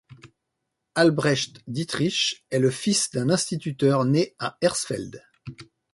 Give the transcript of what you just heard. Albrecht Dieterich était le fils d'un instituteur né à Hersfeld.